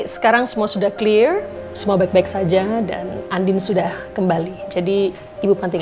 sekarang semua sudah clear semua baik baik saja dan andin sudah kembali jadi ibu panti